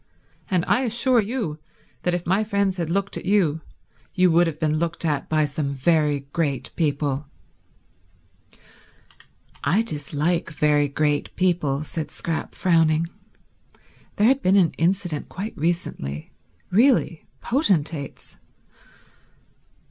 And I assure you that if my friends had looked at you, you would have been looked at by some very great people." "I dislike very great people," said Scrap, frowning. There had been an incident quite recently—really potentates.